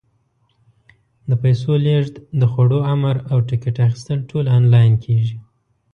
د پیسو لېږد، د خوړو امر، او ټکټ اخیستل ټول آنلاین کېږي.